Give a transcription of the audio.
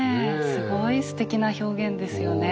すごいすてきな表現ですよね。